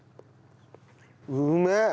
うめえ。